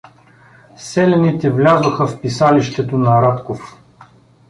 Селяните влязоха в писалището на Радков.